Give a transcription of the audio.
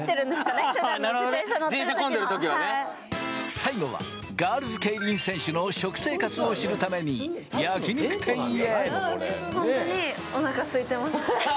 最後はガールズケイリン選手の食生活を知るために、焼き肉店へ。